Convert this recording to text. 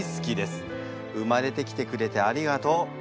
生まれてきてくれてありがとう。